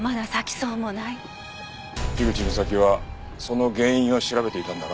口みさきはその原因を調べていたんだな。